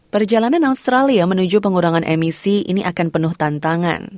perjalanan australia menuju pengurangan emisi ini akan penuh tantangan